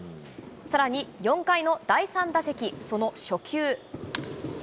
さらに４回の第３打席、その初球。